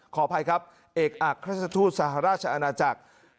ขออภัยครับเอกอักราชทูตสหราชอาณาจักร